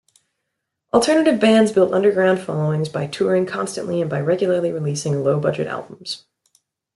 Alternative bands built underground followings by touring constantly and by regularly releasing low-budget albums.